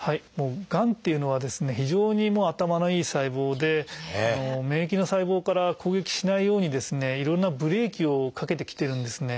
がんというのは非常に頭のいい細胞で免疫の細胞から攻撃しないようにいろんなブレーキをかけてきてるんですね。